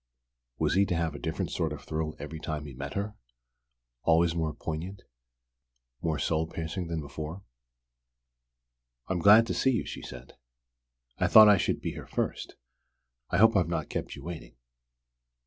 Was he to have a different sort of thrill each time he met her, always more poignant, more soul piercing than before? "I am glad to see you," she said. "I thought I should be here first. I hope I've not kept you waiting?"